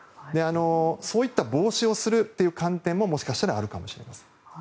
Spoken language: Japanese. そういった防止をするという観点ももしかしたらあるかもしれません。